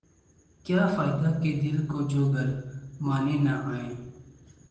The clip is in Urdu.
کیا فائدہ کہ دل کو جو گرمانے نہ آئیں